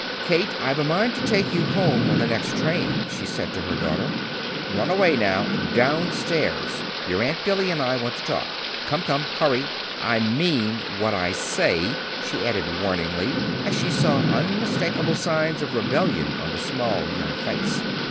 "Kate, I've a mind to take you home on the next train," she said to her daughter. "Run away, now, down stairs. Your Aunt Billy and I want to talk. Come, come, hurry! I mean what I say," she added warningly, as she saw unmistakable signs of rebellion on the small young face.